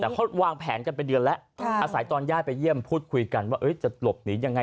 แต่เขาวางแผนกันเป็นเดือนแล้วอาศัยตอนญาติไปเยี่ยมพูดคุยกันว่าจะหลบหนียังไง